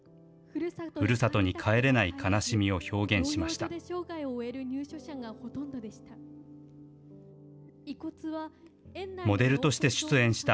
ふるさとに帰れない悲しみを表現しました。